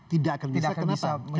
tidak akan bisa kenapa